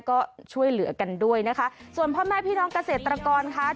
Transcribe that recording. ก็ช่วยเหลือกันด้วยนะคะส่วนพ่อแม่พี่น้องเกษตรกรค่ะ